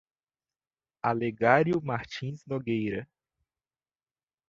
Alegario Martins Nogueira